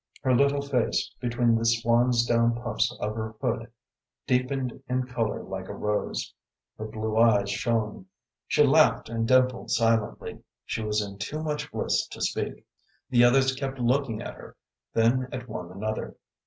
Her little face, between the swan's down puffs of her hood, deepened in color like a rose; her blue eyes shone; she laughed and dimpled silently; she was in too much bliss to speak. The others kept looking at her, then at one another.